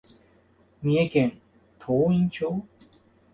三重県東員町